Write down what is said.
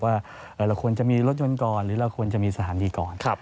ว่าเราควรจะมีรถยนต์ก่อนหรือเราควรจะมีสถานีก่อน